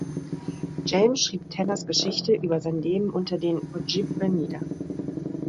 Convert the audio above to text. James schrieb Tanners Geschichte über sein Leben unter den Ojibwe nieder.